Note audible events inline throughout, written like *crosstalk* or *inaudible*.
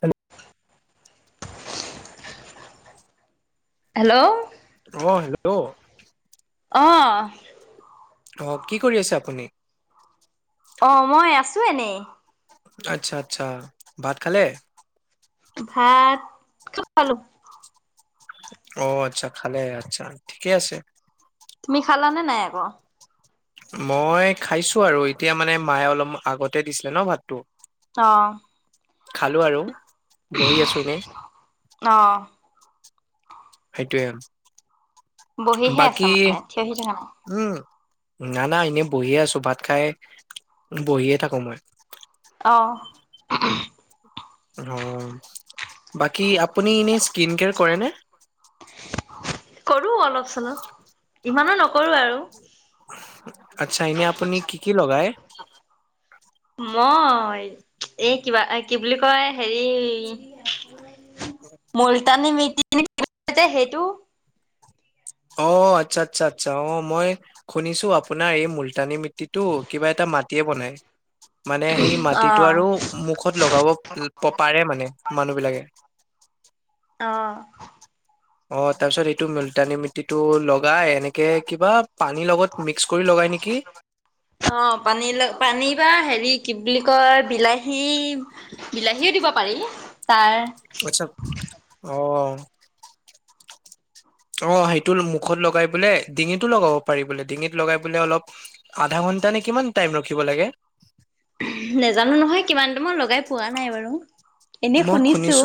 Hello hello অ hello অহ অহ কি কৰি আছে আপুনি অ মই আছোঁ এনেই আচ্ছা আচ্ছা ভাত খালে ভাত খালো অ আচ্ছা খালে আচ্ছা ঠিকে আছে তুমি খালা নে নাই আকৌ। মই খাইছো আৰু এতিয়া মানে মায়ে অলপ আগতে দিছিলে ন ভাতটো। অহ। খালো আৰু বহি আছো এনেই। অ। সেইটোৱে আৰু বহিহে আছে মানে, থিয় হৈ থাকা ক। উম না না এনেই বহিয়ে আছো, ভাত খাই বহিয়ে থাকো মই। অ। অ, বাকী আপুনি এনেই স্কিন কেয়াৰ কৰে নে? কৰো অলপ চলপ, ইমানো নকৰো আৰু। আচ্ছা এনেই আপুনি কি কি লগাই? মই এই কিবা এই, কি বুলি কয় হেৰি মুলতানী মে *unintelligible* *unintelligible* সেইটো অ, আচ্ছা আচ্ছা আচ্ছা, অ মই। শুনিছো, আপোনাৰ এই মুলতানি মিট্টিটো কিবা এটা মাটিয়ে বনাই। মানে, সেই অ মাটিটো আৰু মুখত লগাব পাৰে মানে, মানুহ বিলাকে। অঁ। অ তাৰ পিছত, এইটো মূলটানি মিটিটো লগাই এনেকে কিবা, পানীৰ লগত মিক্স কৰি লগাই নেকি? অ পানী পানী বা হেৰি কি বুলি কয়, বিলাহী বিলাহীও দিব পাৰি, তাৰ আচ্ছা অঁ। অ সেইটো মুখত লগাই পেলাই, ডিঙিতো লগাব পাৰি বোলে, ডিঙিত লগাই পেলাই অলপ। আধা ঘণ্টা নে, কিমান টাইম ৰখিব লাগে। নাজানো নহয় কিমান টাইম। মই লগাই পোৱা নাই বাৰু এনেই শুনিছো।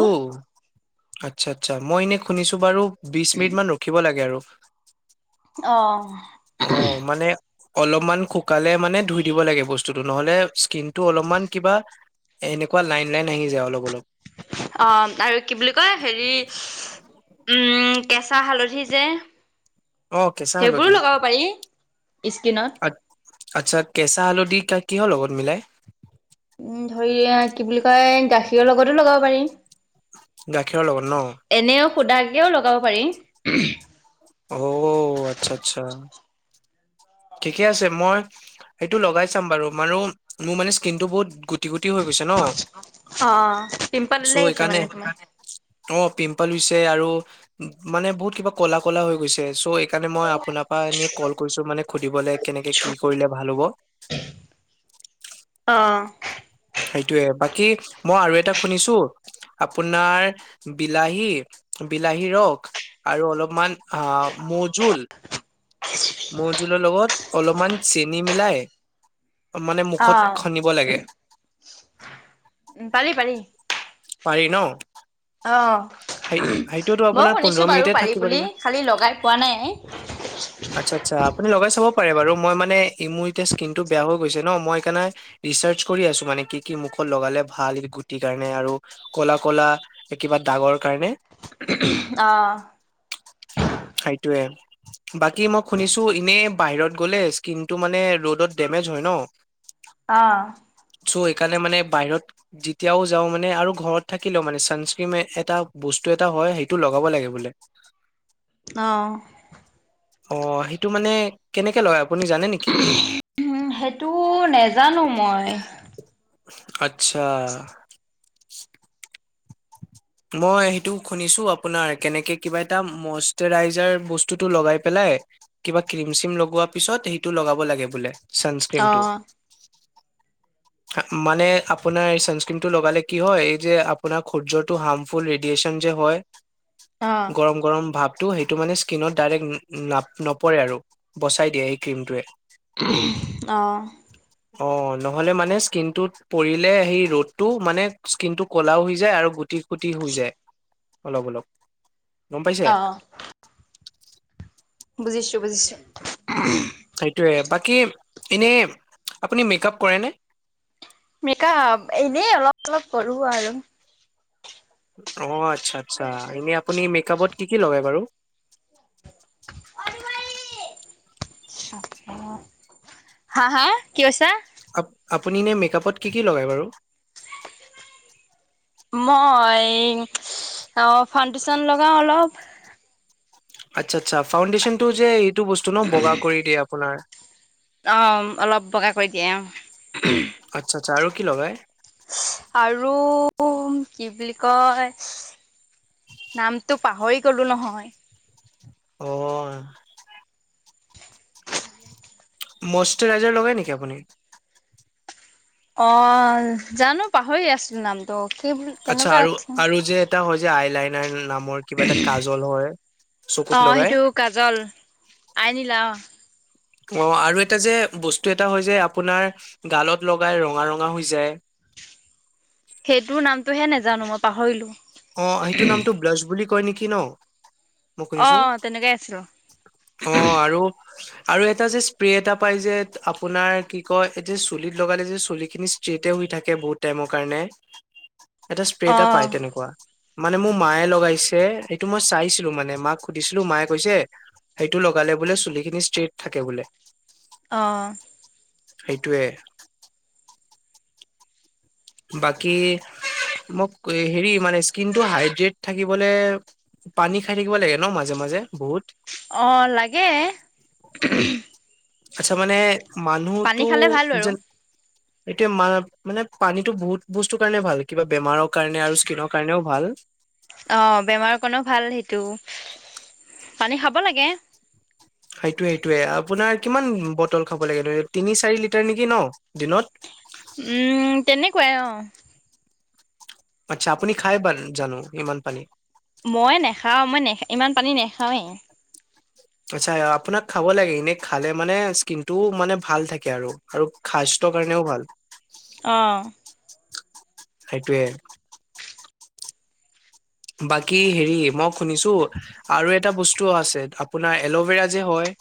আচ্ছা আচ্ছা মই এনেই শুনিছোঁ বাৰু, বিশ মিনিট মান ৰখিব লাগে আৰু। অ অ মানে, অলপমান শুকালে মানে ধুই দিব লাগে বস্তুটো। নহ'লে স্কিনটো অলপমান কিবা, এনেকুৱা লাইন লাইন আহি যায় অলপ অলপ। অ আৰু কি বুলি কয় হেৰি, উম, কেঁচা হালধি যে অ কেঁচা সেইবোৰো হালধি লগাব পাৰি। ইস্কিনত। আ আচ্ছা কেঁচা হালধি কিহৰ লগত মিলাই? উম, ধৰি ল কি বুলি কয়? গাখীৰৰ লগতো লগাব পাৰি। গাখীৰৰ লগত ন। এনেও সুধাকৈও লগাব পাৰি। অও আচ্ছা আচ্ছা। ঠিকে আছে, মই সেইটো লগাই চাম বাৰু মোৰও মোৰ মানে স্কিন টো বহুত গোট গুটি গুটি হৈ গৈছে ন। অ পিম্পল চ' ওলাই গৈছে এইকাৰণে, মানে তোমাৰ অ পিম্পল হৈছে আৰু, মানে বহুত কিবা কলা কলা হৈ গৈছে। চ' সেইকাৰণে মই আপোনাৰ পৰা এনেই কল কৰিছো মানে সুধিবলৈ কেনেকে কি কৰিলে ভাল হ'ব। অ, সেইটোৱে, বাকী মই আৰু এটা শুনিছো। আপোনাৰ বিলাহী বিলাহী ৰস আৰু অলপমান আ মৌ জুল মৌ জোলৰ লগত অলমান চেনী মিলাই মানে অ মুখত খনিব লাগে উ পাৰি পাৰি পাৰি ন অ সেই সেইটোতো মইও আপোনাৰ শুনিছো পোন্ধৰ বাৰু মিনিটে পাৰি থাকিব বুলি লাগিব খালি লগাই পোৱা নাই *unintelligible* আচ্ছা আচ্ছা আপুনি লগাই চাব পাৰে বাৰু মই মানে ই মোৰ এতিয়া স্কিনটো বেয়া হৈ গৈছে ন মই সেইকাৰণে ৰিচাৰ্চ কৰি আছো মানে কি কি মুখত লগালে ভাল গুটিৰ কাৰণে আৰু ক'লা ক'লা এ কিবা দাগৰ কাৰণে অ সেইটোৱে বাকী মই শুনিছো এনেই বাহিৰত গ'লে স্কিনটো মানে ৰ'দত ডেমেজ হয় ন অ চ' সেইকাৰণে মানে বাইহত যেতিয়াও যাও মানে আৰু ঘৰত থাকিলেও মানে ছানস্ক্ৰীণ এটা বস্তু এটা হয় সেইটো লগাব লাগে বোলে অ অ সেইটো মানে কেনেকে লগাই আপুনি জানে নি সেইটো নেজানো মই আচ্ছা মই সেইটো শুনিছো আপোনাৰ কেনেকে কিবা এটা মষ্টৰাইজাৰ বস্তু টো লগাই পেলাই কিবা ক্ৰীম চিম লগোৱা পিছত সেইটো লগাব লাগে বোলে ছানস্ক্ৰীমটো অ', মানে আপোনাৰ এই চানস্ক্ৰিন টো লগালে কি হয় এই যে আপোনাৰ সূৰ্যত টো হাৰ্মফুল ৰেডিয়েচন যে অ', হয় গৰম গৰম ভাৱ টো সেইটো মানে স্কিনত ডাইৰেক্ট নাপ নপৰে আৰু বচাই দিয়ে সেই ক্ৰীমটোৱে। অ অ নহ'লে মানে স্কিনটোত পৰিলে সেই ৰ'দটো মানে স্কিন টো কলাও হৈ যায় আৰু গোট গুতি হৈ যায় অলপ অলপ গম পাইছে অ', বুজিছোঁ বুজিছোঁ সেইটোয়ে বাকী এনে আপুনি মেক আপ কৰে নে মেকআপ এনেই অলপ চলপ কৰো আৰু অ আচ্ছা আচ্ছা এনে আপুনি মেকআপত কি কি লগাই বাৰু হা হা কি কৈছা আপ আপুনি এনে মেকআপত কি কি লগায় বাৰু মই অ ফাউণ্ডেশ্যন লগাওঁ অলপ আচ্ছা আচ্ছা ফাউণ্ডেশচন টো যে এইটো বস্তু ন বগা কৰি দিয়ে আপোনাৰ অঁ অলপ বগা কৰি দিয়ে অ আচ্ছা আচ্ছা আৰু কি লগাই আৰু কি বুলি কয় নামটো পাহৰি গ'লোঁ নহয় অ মষ্টৰাইজাৰ লগাই নেকি আপুনি অ জানো পাহৰি আছো নামটোক আচ্ছা আৰু আৰু যে এটা হয় যে আই লাইনাৰ নামৰ কিবা এটা কাজল হয় চকুত অ', লগাই সেইটো কাজল, আইনিলা অ। অ আৰু এটা যে বস্তু এটা হয় যে, আপোনাৰ গালত লগাই ৰঙা ৰঙা হৈ যায়। সেইটোৰ নামটোহে নেজানো মই পাহৰিলো। অ, সেইটো নামটো ব্লাচ বুলি কয় নেকি ন? মোক অ শুনিছো। তেনেকে আছিলো অ আৰু আৰু এটা যে স্প্ৰে এটা পাই যে আপোনাৰ কি কয়, এই *unintelligible* চুলিত লগালে যে চুলি খিনি ষ্ট্ৰেট এ হৈ থাকে বহুত টাইমৰ কাৰণে। এটা স্প্ৰে অ এটা পায় তেনেকুৱা। মানে মোৰ মায়ে লগাইছে। এইটো মই চাইছিলো মানে, মাক সুধিছিলো মায়ে কৈছে। সেইটো লগালে বোলে চুলিখিনি ষ্ট্ৰেইট থাকে বোলে। অঁ। সেইটোৱে। বাকী মোক হেৰি মানে স্কিনটো হাইড্ৰেট থাকিবলে পানী খাই থাকিব লাগে ন, মাজে মাজে বহুত। অ, লাগে। আচ্ছা মানে, পানী মানুহটো খালে ভাল বাৰু যেন এতিয়া মান মানে পানীটো বহুত বস্তুৰ কাৰণে ভাল। কিবা বেমাৰ কাৰণে আৰু স্কিনৰ কাৰণেও ভাল। অ, বেমাৰ কাৰণেও ভাল সেইটো। পানী খাব লাগে। সেইটোৱে সেইটোৱে। আপোনাৰ কিমান বটল খাব লাগে *unintelligible* তিনি চাৰি লিটাৰ নেকি ন? দিনত। উম, তেনেকুৱাই অ। আচ্ছা। আপুনি খাই বান জানো ইমান পানী। মই নেখাও। মই নেখ ইমান পানী নেখাওৱে। আচ্ছা, আপোনাক খাব লাগে। এনে খালে মানে স্কিন টো মানে ভাল থাকে আৰু। আৰু খাস্থ্য কাৰণেও ভাল। অঁ। সেইটোৱে। বাকী হেৰি মই শুনিছো আৰু এটা বস্তু আছে। আপোনাৰ এল'ভেৰা যে হয়।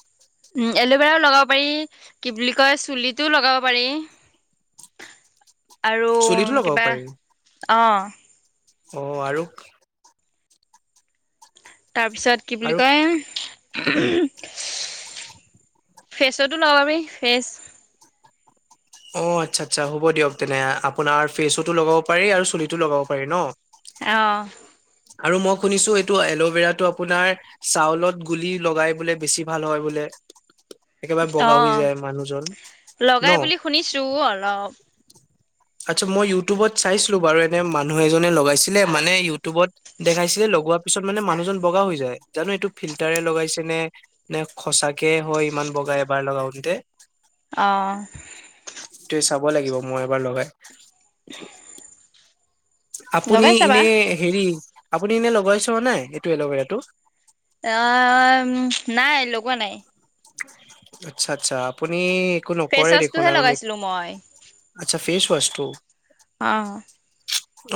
উম। এল'ভেৰাও লগাব পাৰি, কি বুলি কয়, চুলিটোও লগাব পাৰি। আৰু চুলিতো লগাব কিবা পাৰি অ। অ আৰু তাৰপিছত কি বুলি আৰু কয়? ফেছতো লগাবি ফেচ। অ, আচ্ছা আচ্ছা, হ'ব দিয়ক তেনে। আপোনাৰ ফেচতো লগাব পাৰি আৰু চুলিটো লগাব পাৰি ন? অঁ। আৰু মই শুনিছো এইটো এল'ভেৰাটো আপোনাৰ চাউলত গুলি লগাই বোলে বেছি ভাল হয় বোলে। একেবাৰে অ বগা হৈ যায় মানুহজন লগাই ন? বুলি শুনিছো অলপ আচ্ছা, মই ইউটিউবত চাইছিলো বাৰু এনে মানুহ এজনে লগাইছিলে মানে ইউটিউবত দেখাইছিলে। লগোৱা পিছত মানে মানুহজন বগা হৈ যায়। জানো এইটো ফিল্টাৰে লগাইছে নে? নে সচাকে হয় ইমান বগা এবাৰ লগাওঁতে? অঁ। ত চাব লাগিব মই এবাৰ লগাই। *unintelligible* আপুনি লগাই চাবা ইনে হেৰি আপুনি এনে লগাই ছোৱা নাই? এইটো এল'ভেৰাটো। *unintelligible* নাই লগোৱা নাই। আচ্ছা আচ্ছা আপুনি একো ফেচ নকৰে দেখোন ৱাছটোহে আৰু মে লগাইছিলো মই আচ্ছা ফেচৱাছটো অ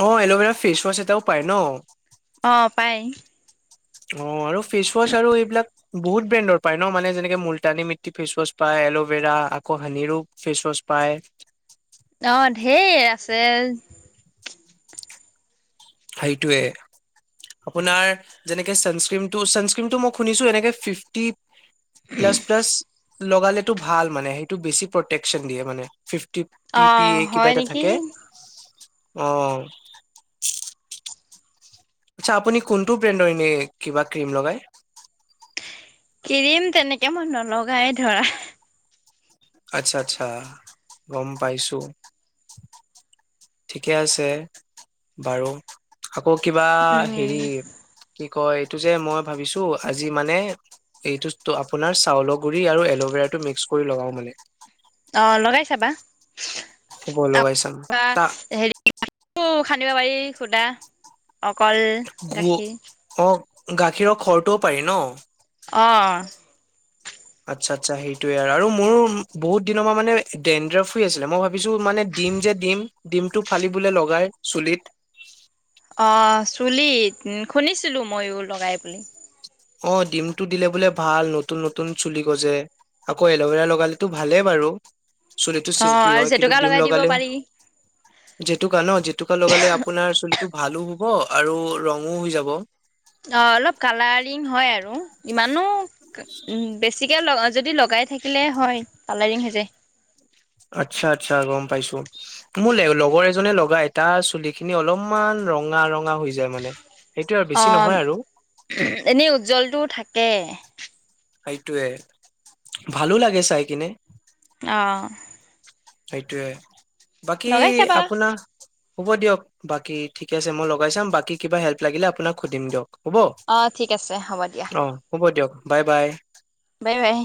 অ এল'ভেৰা ফেচৱাছ এটাও পায় ন অ পায় অ আৰু ফেচৱাছ আৰু এইবিলাক বহুত ব্ৰেণ্ডৰ পায় ন মানে যেনেকে মুলটানী মিতটি ফেচৱাছ পায় এলভেৰা আকৌ হানিৰো ফেচৱাছ পায় অ ধেৰ আছে সেইটোৱে আপোনাৰ যেনেকে ছানক্ৰিমটো ছানক্ৰিমটো মই শুনিছো এনে ফিফটি প্লাছ প্লাছ লগালেটো ভাল মানে সেইটো বেছি প্ৰটেকচন দিয়ে মানে ফিফটি পি পি অঁ এ কিবা হয় এটা নেকি থাকে অ আচ্ছা আপুনি কোনটো ব্ৰেণ্ডৰ এনে কিবা ক্ৰিম লগাই ক্ৰীম তেনেকে মই নলগাই ধৰা আচ্ছা আচ্ছা গম পাইছো ঠিকে আছে বাৰু আকৌ কিবা উম হেৰি কি কয় এইটো যে মই ভাবিছো আজি মানে এইটো আপোনাৰ চাউলৰ গুৰি আৰু এল'ভেৰাটো মিক্স কৰি লগাও মানে অ লগাই চাবা হ'ব লগাই চাম তাৰপা তা হেৰি *unintelligible* খান্দিব পাৰি সুদা অকল গাখীৰ অক গাখীৰৰ খৰটোও পাৰি ন অ আচ্ছা আচ্ছা সেইটোয়ে আৰু আৰু মোৰ বহুত দিনৰ পৰা মানে ডেনড্ৰফ ফি আছিলে মই ভাবিছো মানে ডিম যে ডিম ডিমটো ফালি বোলে লগাই চুলিত অ চুলিত শুনিছিলোঁ ময়ো লগাই বুলি অ ডিমটো দিলে বোলে ভাল নতুন নতুন চুলি গজে আকৌ এল'ভেৰা লগালেতো ভালেই বাৰু চুলিটো অঁ চিল্কি আৰু হয় কিন্তু জেতুকা ডিম লগাই দিব লগালে পাৰি জেতুকা ন জেতুকা লগালে আপোনাৰ চুলিটো ভালো হব আৰু ৰঙো হৈ যাব অ অলপ কালাৰিং হয় আৰু ইমানো উম বেছিকে যদি ল লগাই থাকিলে হয় কালাৰিং হৈ যায় আচ্ছা আচ্ছা গম পাইছো মোৰ লে লগৰ এজনে লগাই তাৰ চুলি খিনি অলপমান ৰঙা ৰঙা হৈ যায় মানে সেইটোয়ে আৰু অ বেছি ঊম নহয় আৰু এনেই উজ্জ্বলতটো থাকে সেইটোৱে ভালো লাগে চাই কিনে অ সেইটোৱে বাকী লগাই চাবা আপোনাৰ হ'ব দিয়ক বাকী ঠিকে আছে মই লগাই চাম বাকী কিবা হেল্প লাগিলে আপোনাক সুধিম দিয়ক হ'ব অ ঠিক আছে হ'ব দিয়া অ হ'ব দিয়ক বাই বাই বাই বাই